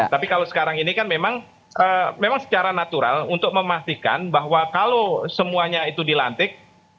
tapi kalau sekarang ini kan memang secara natural untuk memastikan bahwa kalau semuanya itu dilantik